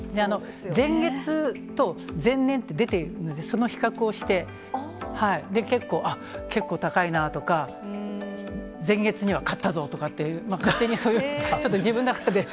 前月と前年って出てるので、その比較をして、結構、あっ、結構高いなとか、前月には勝ったぞとかって、勝手にそういう、自分の中で。